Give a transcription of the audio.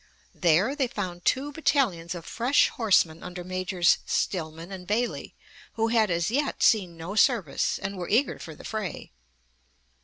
There they found two battalions of fresh horsemen under Majors Stillman and Bailey, who had as yet seen no service and were eager for the fray.